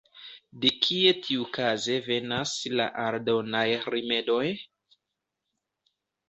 De kie tiukaze venas la aldonaj rimedoj?